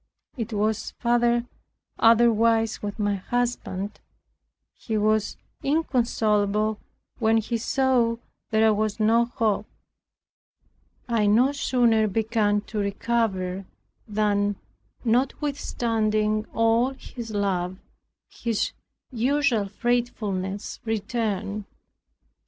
It was far otherwise with my husband. He was inconsolable when he saw there was no hope. I no sooner began to recover, than notwithstanding all his love, his usual fretfulness returned.